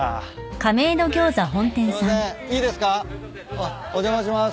あっお邪魔します。